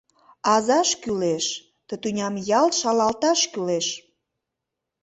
Азаш кӱлеш, ты тӱням ялт шалалташ кӱлеш!